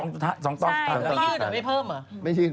ไม่ยืดหรอไม่เพิ่มเหรอ